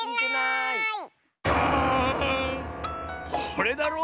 これだろ。